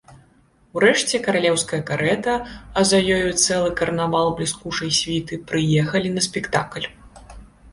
Урэшце каралеўская карэта, а за ёю цэлы карнавал бліскучай світы прыехалі на спектакль.